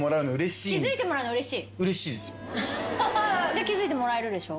で気付いてもらえるでしょ？